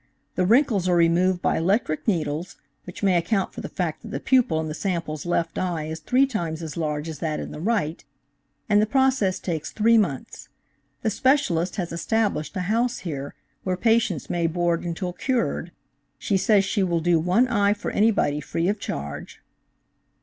The wrinkles are removed by electric needles (which may account for the fact that the pupil in the 'sample's' left eye is three times as large as that in the right), and the process takes three months. The specialist has established a house here where patients may board until cured. She says she will do one eye for anybody free of charge."